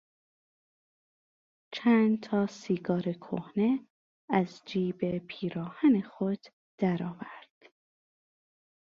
چند تا سیگار کهنه از جیب پیراهن خود در آورد.